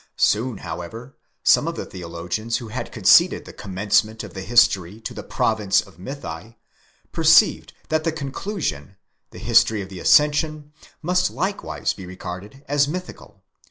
Soon, however, some of the theologians who had conceded the commence ment of the history to the province of mythi, perceived that the conclusion, the history of the ascension, must likewise be regarded as mythical.?